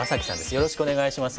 よろしくお願いします。